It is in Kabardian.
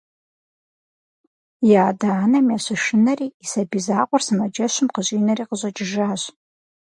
И адэ-анэм ящышынэри и сабий закъуэр сымаджэщым къыщӏинэри къыщӏэкӏыжащ.